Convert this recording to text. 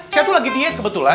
saya dulu lagi diet kebetulan